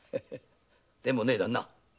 でもね旦那。